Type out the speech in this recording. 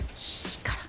いいから！